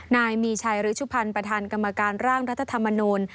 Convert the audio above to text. นายมีชัยฤชุพันธ์ประธานกรรมการร่างรัฐธรรมนูล